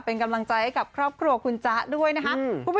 เป็นกำลังใจให้กับครอบครัวคุณจ๊ะด้วยนะครับ